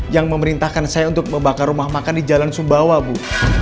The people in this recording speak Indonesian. yang memerintahkan saya untuk membakar rumah makan di jalan sumbawa bu